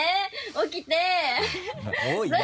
起きて。